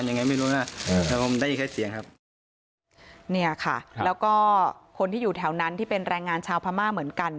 นี่ค่ะแล้วก็คนที่อยู่แถวนั้นที่เป็นแรงงานชาวพม่าเหมือนกัน